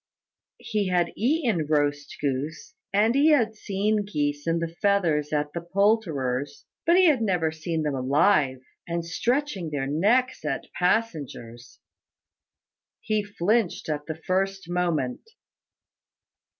He had eaten roast goose, and he had seen geese in the feathers at the poulterers'; but he had never seen them alive, and stretching their necks at passengers. He flinched at the first moment.